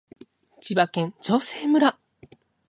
千葉県長生村